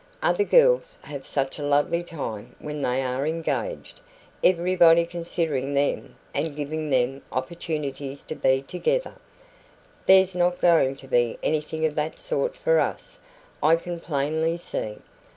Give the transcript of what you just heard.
Other girls have such a lovely time when they are engaged everybody considering them and giving them opportunities to be together. There's not going to be anything of that sort for us, I can plainly see.